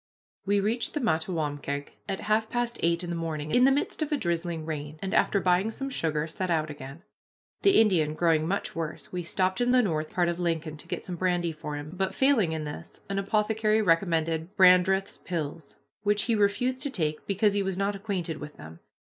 We reached the Mattawamkeag at half past eight in the morning, in the midst of a drizzling rain, and, after buying some sugar, set out again. The Indian growing much worse, we stopped in the north part of Lincoln to get some brandy for him, but, failing in this, an apothecary recommended Brandreth's pills, which he refused to take because he was not acquainted with them.